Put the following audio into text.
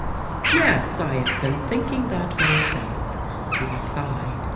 "Yes, I have been thinking that myself," he replied.